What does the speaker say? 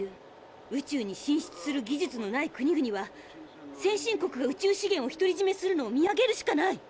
宇宙に進出する技術のない国々は先進国が宇宙資源を独りじめするのを見上げるしかない！